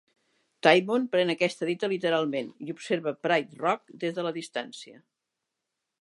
Timon pren aquesta dita literalment i observa Pride Rock des de la distància.